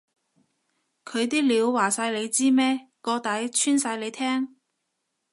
佢啲料話晒你知咩？個底穿晒你聽？